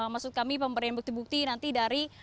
maksud kami pemberian bukti bukti nanti dari